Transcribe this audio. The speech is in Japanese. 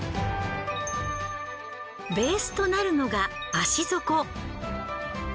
ベースとなるのが足底。